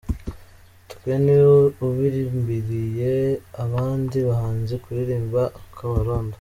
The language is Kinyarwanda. Teta niwe ubimbiriye abandi bahanzi kuririmba i Kabarondo.